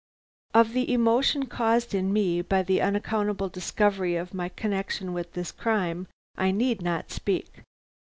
"Of the emotion caused in me by the unaccountable discovery of my connection with this crime I need not speak.